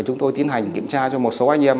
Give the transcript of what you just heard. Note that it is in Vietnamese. chúng tôi tiến hành kiểm tra cho một số anh em